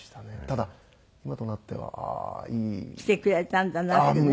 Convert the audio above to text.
ただ今となってはああーいい。来てくれたんだなってね。